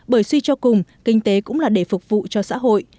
bởi suy cho cùng kinh tế cũng là để phục vụ cho xã hội